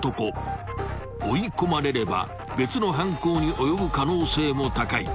［追い込まれれば別の犯行に及ぶ可能性も高い］